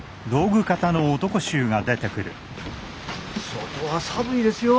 外は寒いですよ。